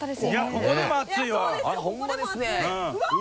ここでも熱いうわっ！